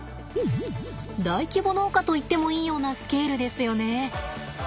大規模農家といってもいいようなスケールですよね。